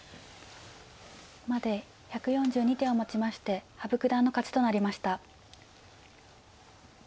まで１４２手をもちまして羽生九段の勝ちとなりました。